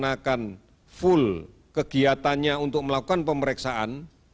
sudah melaksanakan full kegiatannya untuk melakukan pemeriksaan